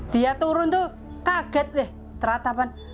dia turun tuh kaget deh teratapan